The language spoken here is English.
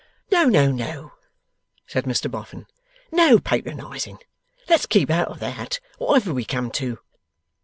'No, no, no,' said Mr Boffin; 'no patronizing! Let's keep out of THAT, whatever we come to.